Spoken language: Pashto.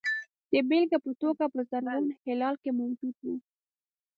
د بېلګې په توګه په زرغون هلال کې موجود وو.